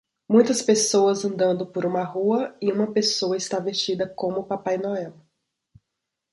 Muitas pessoas andando por uma rua e uma pessoa está vestida como Papai Noel.